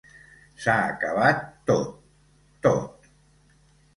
S'ha acabat tot, tot.